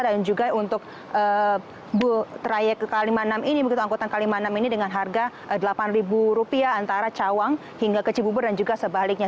dan juga untuk trayek k lima enam ini anggota k lima enam ini dengan harga rp delapan antara cawang hingga kecik bubur dan juga sebaliknya